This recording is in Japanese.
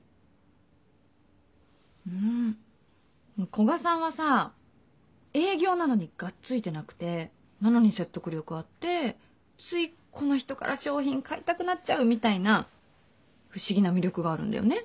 古賀さんはさ営業なのにがっついてなくてなのに説得力あってついこの人から商品買いたくなっちゃうみたいな不思議な魅力があるんだよね。